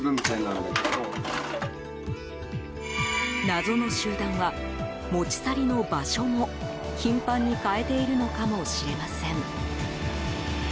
謎の集団は持ち去りの場所も頻繁に変えているのかもしれません。